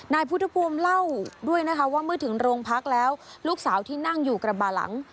นายพุทธภูมิเล่าด้วยนะคะว่าเมื่อถึงโรงพักแล้วลูกสาวที่นั่งอยู่กระบะหลัง